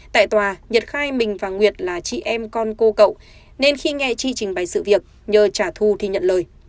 tại tòa nhật khai mình và nguyệt là chị em con cô cậu nên khi nghe chi trình bày sự việc nhờ trả thù thì nhận lời